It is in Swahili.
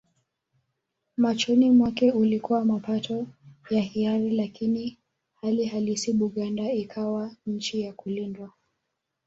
Machoni mwake ulikuwa mapatano ya hiari lakini hali halisi Buganda ikawa nchi ya kulindwa